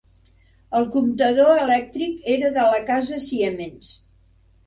El comptador elèctric era de la casa Siemens.